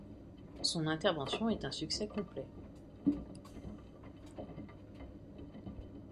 Son intervention est un succès complet.